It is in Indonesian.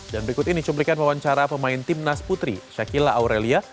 dan berikut ini cumplikan wawancara pemain timnas putri shakila aurelia